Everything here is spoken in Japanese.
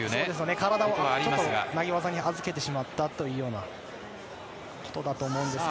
体を投げ技に預けてしまったということだと思いますが。